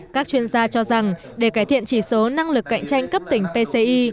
các chuyên gia cho rằng để cải thiện chỉ số năng lực cạnh tranh cấp tỉnh pci